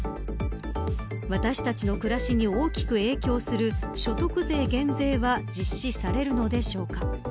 私たちの暮らしに大きく影響する所得税減税は実施されるのでしょうか。